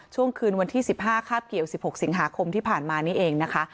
ช่วงคืนวันที่๑๕คาบเกี่ยว๑๖สิงหาคมที่ผ่านมานี่เองนะคะ